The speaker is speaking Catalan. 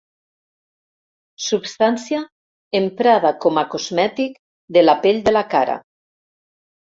Substància emprada com a cosmètic de la pell de la cara.